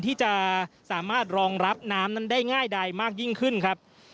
ที่จะสามารถรองรับน้ำนั้นได้ง่ายใดมากยิ่งขึ้นครับ